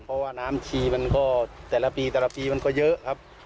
เพราะว่าน้ำชีมันก็แต่ละปีแต่ละปีมันก็เยอะครับ